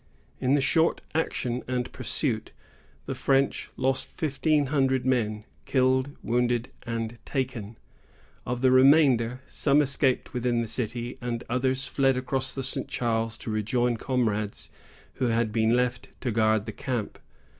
In the short action and pursuit, the French lost fifteen hundred men, killed, wounded, and taken. Of the remainder, some escaped within the city, and others fled across the St. Charles to rejoin their comrades who had been left to guard the camp.